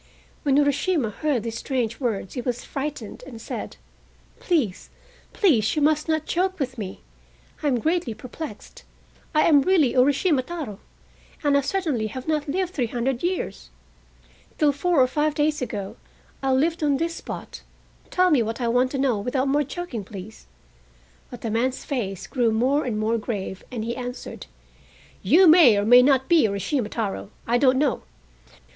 When Urashima heard these strange words he was frightened, and said: "Please, please, you must not joke with me, I am greatly perplexed. I am really Urashima Taro, and I certainly have not lived three hundred years. Till four or five days ago I lived on this spot. Tell me what I want to know without more joking, please." But the man's face grew more and more grave, and he answered: "You may or may not be Urashima Taro, I don't know.